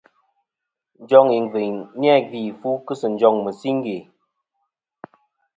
Njoŋ ìngviyn ni-a gvi fu kɨ sɨ njoŋ mɨ̀singe.